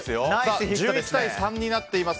１１対３になっています。